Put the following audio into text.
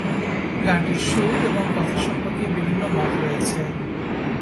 গানটির সুর এবং কথা সম্পর্কে বিভিন্ন মত রয়েছে।